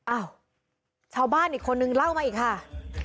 อ้าวชาวบ้านอีกคนนึงเล่ามาอีกค่ะ